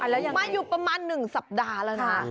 แล้วยังมาอยู่ประมาณ๑สัปดาห์แล้วนะ